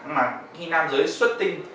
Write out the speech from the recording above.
mà khi nam giới xuất tinh